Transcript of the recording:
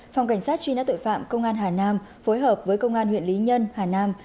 phòng cảnh sát truy nã tội phạm công an hà nam phối hợp với công an huyện lý nhân hà nam